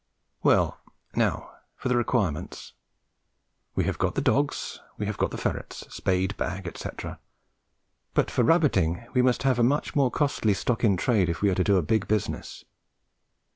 Well, now for the requirements. We have got the dogs, we have got the ferrets, spade, bag, etc.; but for rabbiting we must have a much more costly stock in trade if we are to do a big business.